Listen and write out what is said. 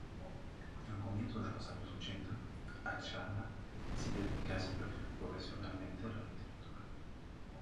A comienzos de los años ochenta, Atxaga decide dedicarse profesionalmente a la literatura.